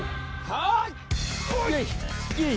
はい！